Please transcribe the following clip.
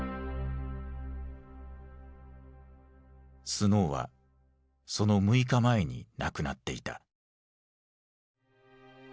スノーはその６日前に亡くなっていた。